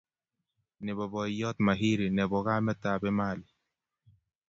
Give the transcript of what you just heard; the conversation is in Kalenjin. Nebo boiyot Mahiri nebo kametab Emali